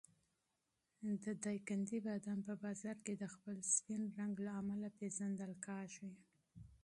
د دایکنډي بادام په بازار کې د خپل سپین رنګ له امله پېژندل کېږي.